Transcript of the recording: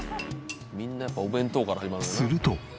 みんなやっぱお弁当から始まるよな。